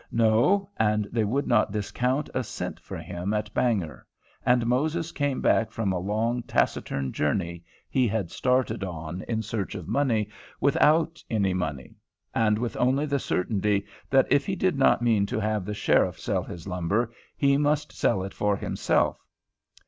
No; and they would not discount a cent for him at Bangor, and Moses came back from a long, taciturn journey he had started on in search of money, without any money; and with only the certainty that if he did not mean to have the sheriff sell his lumber, he must sell it for himself.